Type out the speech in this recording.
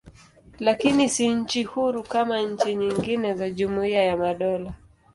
Lakini si nchi huru kama nchi nyingine za Jumuiya ya Madola.